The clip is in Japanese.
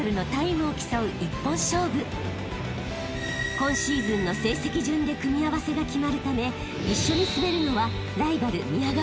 ［今シーズンの成績順で組み合わせが決まるため一緒に滑るのは］